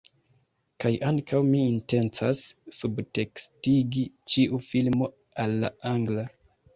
Kaj ankaŭ mi intencas subtekstigi ĉiu filmo al la angla